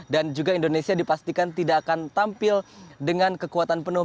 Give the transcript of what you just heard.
dan juga indonesia dipastikan tidak akan tampil dengan kekuatan penuh